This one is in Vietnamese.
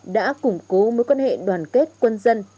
đã củng cố mối quan hệ đoàn kết quân dân